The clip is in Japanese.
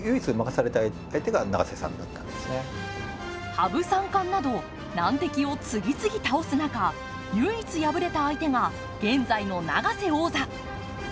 羽生三冠など難敵を次々倒す中、唯一敗れた相手が現在の永瀬王座。